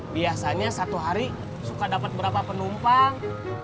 biasanya satu hari suka dapat berapa penumpang